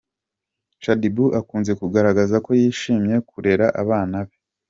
Shaddy Boo akunze kugaragaza ko yishimiye kurera abana be.